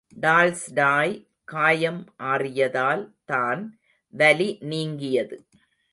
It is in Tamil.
டால்ஸ்டாய் காயம் ஆறியதால் தான் வலி நீங்கியது.